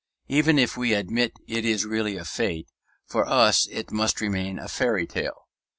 Even if we admit it is really a fate, for us it must remain a fairy tale.